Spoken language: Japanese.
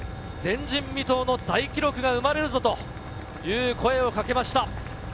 前人未到の大記録が生まれるぞ！と声をかけました。